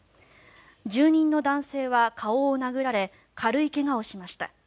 住人の男性は顔を殴られ軽い怪我をしました。